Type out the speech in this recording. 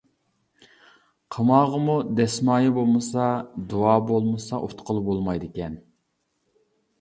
قىمارغىمۇ دەسمايە بولمىسا، دۇئا بولمىسا ئۇتقىلى بولمايدىكەن!